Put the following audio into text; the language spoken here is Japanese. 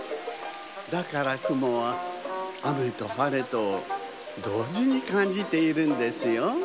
だからくもはあめとはれとをどうじにかんじているんですよ。